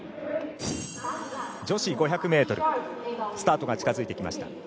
女子５００ｍスタートが近づいてきました。